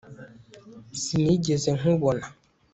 sinigeze nkubona